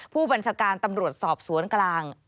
ผู้บัญชาการตำรวจสอบสวนกลาง